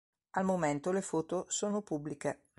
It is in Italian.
Al momento le foto sono pubbliche.